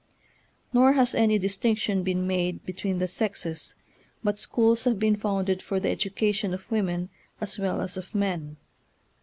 Nor has any distinction been made between the sexes, but schools have been founded for the education of women as well as of men.